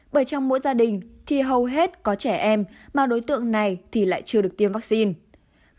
bởi trong mỗi gia đình thì hầu hết có trẻ em mà đối tượng này thì lại chưa được tiêm vaccine